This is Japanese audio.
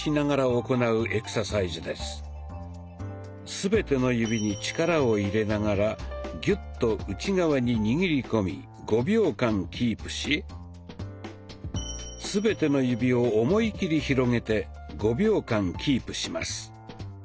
全ての指に力を入れながらギュッと内側に握り込み５秒間キープし全ての指を思い切り広げて５秒間キープします。